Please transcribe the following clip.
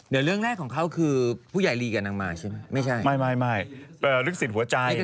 เดี๋ยวเรื้อแรกของเค้าคือผู้ใหญ่ลีกับดังมาใช่ไหมไม่ใช่